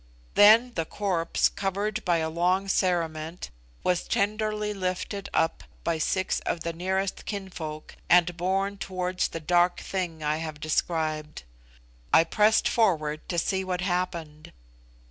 Then the corpse, covered by a long cerement, was tenderly lifted up by six of the nearest kinfolk and borne towards the dark thing I have described. I pressed forward to see what happened.